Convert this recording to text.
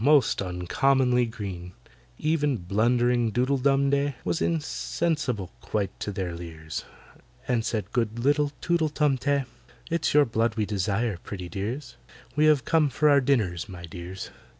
most uncommonly green!" Even blundering DOODLE DUM DEY Was insensible quite to their leers, And said good little TOOTLE TUM TEH, "It's your blood we desire, pretty dears— We have come for our dinners, my dears!"